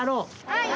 はい。